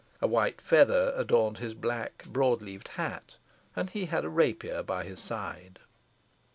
A white feather adorned his black broad leaved hat, and he had a rapier by his side.